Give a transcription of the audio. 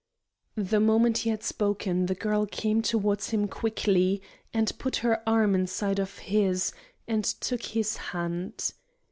The moment he had spoken, the girl came towards him quickly, and put her arm inside of his, and took his hand.